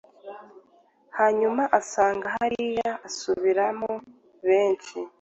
Hanyuma asanga hariya asubiramo benshi